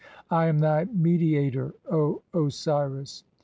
(8) I am thy "mediator (?), O Osiris.